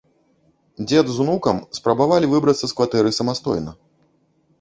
Дзед з унукам спрабавалі выбрацца з кватэры самастойна.